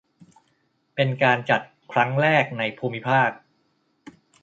เป็นการจัดครั้งแรกในภูมิภาค